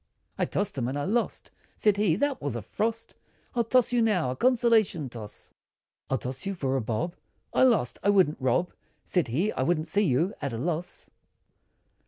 I tossed him, and I lost, Said he "That was a frost, I'll toss you now, a consolation toss, I'll toss you, for a bob" I lost! "I wouldn't rob" Said he "I wouldn't see you, at a loss.